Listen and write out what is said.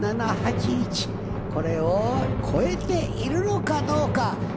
これを超えているのかどうか。